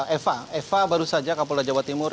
eva eva baru saja ke mapolda jawa timur